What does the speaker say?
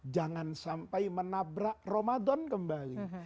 jangan sampai menabrak ramadan kembali